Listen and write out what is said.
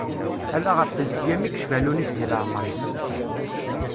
Ala ɣef telt-yyam i yecfa Lewnis deg leɛmer-is.